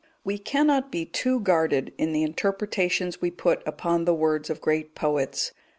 We cannot be too guarded in the interpretations we put upon the words of great poets.